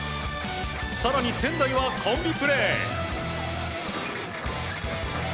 更に仙台はコンビプレー。